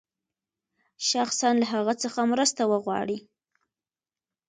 شخصاً له هغه څخه مرسته وغواړي.